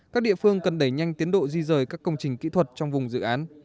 các địa phương cần đẩy nhanh tiến độ di rời các công trình kỹ thuật trong vùng dự án